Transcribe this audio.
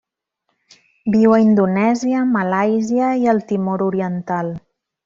Viu a Indonèsia, Malàisia i el Timor Oriental.